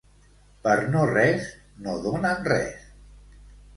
Per no res no donen res.